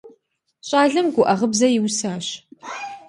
Щӏалэм гуӏэ гъыбзэ иусащ.